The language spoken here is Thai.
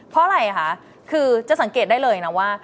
เพราะอะไรคะคือจะสังเกตได้เลยนะว่า